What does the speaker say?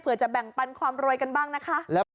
เพื่อจะแบ่งปันความรวยกันบ้างนะคะ